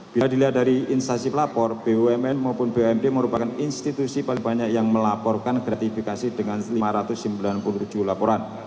bila dilihat dari instansi pelapor bumn maupun bumd merupakan institusi paling banyak yang melaporkan gratifikasi dengan lima ratus sembilan puluh tujuh laporan